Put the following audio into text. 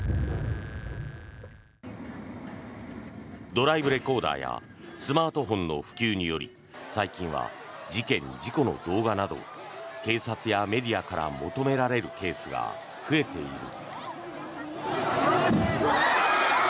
ドライブレコーダーやスマートフォンの普及により最近は事件・事故の動画など警察やメディアから求められるケースが増えている。